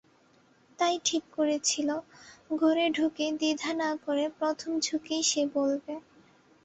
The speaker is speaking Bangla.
তাই ঠিক করেছিল, ঘরে ঢুকেই দ্বিধা না করে প্রথম ঝোঁকেই সে বলবে।